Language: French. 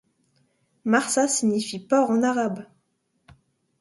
Marsa signifie port en arabe.